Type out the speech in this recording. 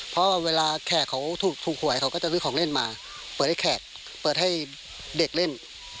เพราะเวลาแขกเขาถูกหวยเขาก็จะซื้อของเล่นมาเปิดให้แขกเปิดให้เด็กเล่น